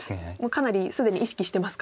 かなり既に意識してますか？